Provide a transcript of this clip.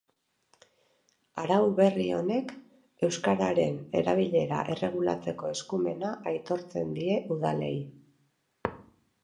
Arau berri honek euskararen erabilera erregulatzeko eskumena aitortzen die udalei.